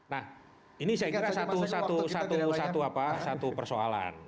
nah ini saya kira satu persoalan